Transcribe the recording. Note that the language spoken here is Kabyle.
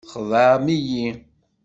Txedɛem-iyi.